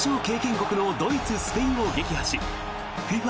国のドイツ、スペインを撃破しＦＩＦＡ